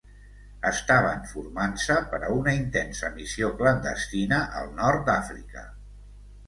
Estaven formant-se per a una intensa missió clandestina al nord d'Àfrica.